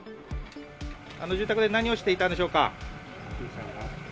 住宅で何をしていたんでしょうか？